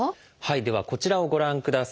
ではこちらをご覧ください。